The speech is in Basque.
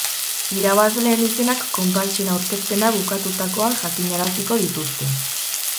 Irabazleen izenak konpartsen aurkezpena bukatutakoan jakinaraziko dituzte.